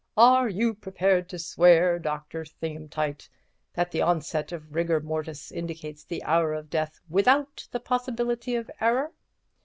'Are you prepared to swear, Dr. Thingumtight, that the onset of rigor mortis indicates the hour of death without the possibility of error?'